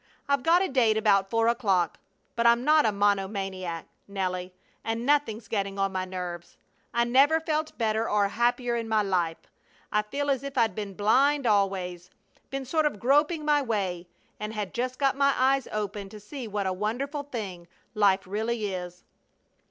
I've got a date about four o'clock. But I'm not a monomaniac, Nelly, and nothing's getting on my nerves. I never felt better or happier in my life. I feel as if I'd been blind always, been sort of groping my way, and had just got my eyes open to see what a wonderful thing life really is."